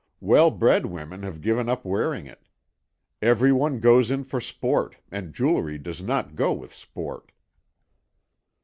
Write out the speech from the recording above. Well bred women have given up wearing it. Everyone goes in for sport, and jewellery does not go with sport."